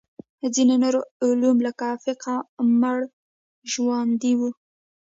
ځینې نور علوم لکه فقه مړژواندي وو.